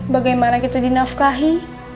bagaimana kita dinafkahi